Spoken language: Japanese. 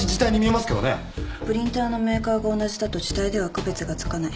プリンターのメーカーが同じだと字体では区別がつかない。